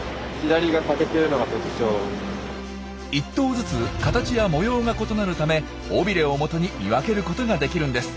１頭ずつ形や模様が異なるため尾ビレをもとに見分けることができるんです。